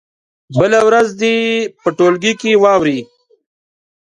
بله ورځ دې یې په ټولګي کې واوروي.